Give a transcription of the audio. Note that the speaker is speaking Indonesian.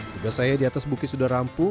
tugas saya di atas bukit sudah rampung